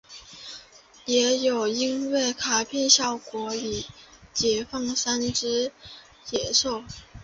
也有因为卡片效果要解放三只怪兽。